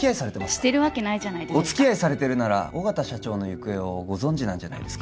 してるわけないじゃないですかお付き合いされてるなら緒方社長の行方をご存じなんじゃないですか？